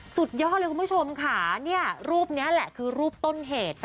สุดยอดเลยคุณผู้ชมค่ะรูปนี้แหละคือรูปต้นเหตุ